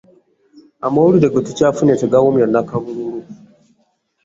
Amawulire ge tukyafunye tegawoomya nakabululu.